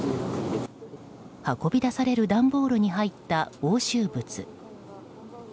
運び出される段ボールに入った押収物。